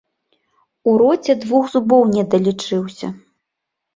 У роце двух зубоў недалічыўся.